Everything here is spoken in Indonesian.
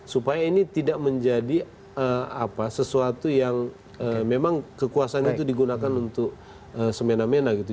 supaya ini tidak menjadi sesuatu yang memang kekuasaan itu digunakan untuk semena mena gitu